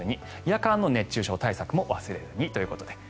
夜間の熱中症対策も忘れずにということで。